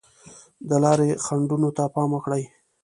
د لارې خنډونو ته پام وکړئ.